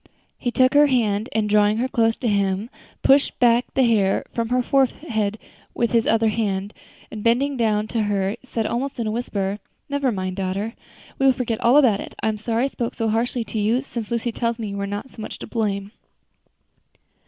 He took her hand, and drawing her close to him, pushed back the hair from her forehead with his other hand, and bending down to her, said almost in a whisper, "Never mind, daughter, we will forget all about it. I am sorry I spoke so harshly to you, since Lucy tells me you were not so much to blame."